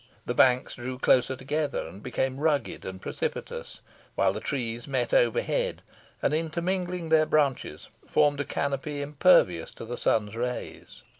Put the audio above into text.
The banks drew closer together, and became rugged and precipitous; while the trees met overhead, and, intermingling their branches, formed a canopy impervious to the sun's rays.